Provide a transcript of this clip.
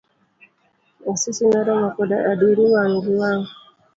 Asis noromo koda adieri wang' gi wang'.